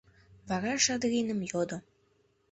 Вара Шадриным йодо.